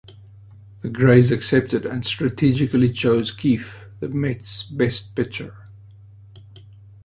The Grays accepted and strategically chose Keefe, the Mets best pitcher.